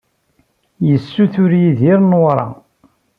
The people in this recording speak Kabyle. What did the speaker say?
Yessuter Yidir Newwara.